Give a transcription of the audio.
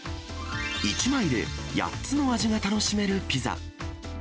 １枚で８つの味が楽しめるピザ。